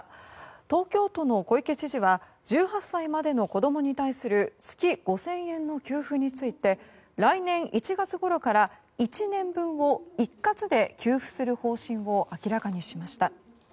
東京都の小池知事は１８歳までの子供に対する月５０００円の給付について来年１月ごろから、１年分を一括で給付する方針を明らかにしました。